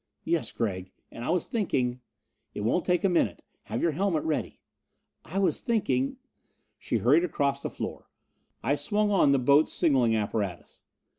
"Yes, Gregg. And I was thinking " "It won't take a minute. Have your helmet ready." "I was thinking " She hurried across the room. I swung on the Botz signaling apparatus.